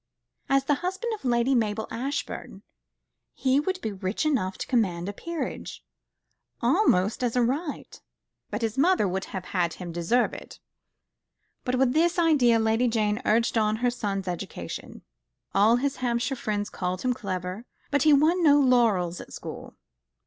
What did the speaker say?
As the husband of Lady Mabel Ashbourne, he would be rich enough to command a peerage, almost as a right; but his mother would have had him deserve it. With this idea Lady Jane urged on her son's education. All his Hampshire friends called him clever, but he won no laurels at school.